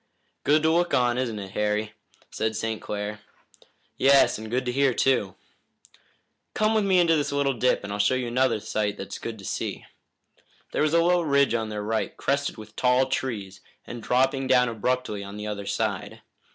"Good to look on, isn't it, Harry?" said St. Clair. "Yes, and good to hear, too." "Come with me into this little dip, and I'll show you another sight that's good to see." There was a low ridge on their right, crested with tall trees and dropping down abruptly on the other side.